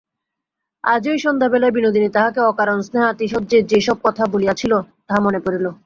আজই সন্ধ্যাবেলায় বিনোদিনী তাহাকে অকারণ স্নেহাতিশয্যে যে-সব কথা বলিয়াছিল, তাহা মনে পড়িল।